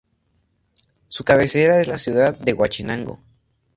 Su cabecera es la ciudad de Huauchinango.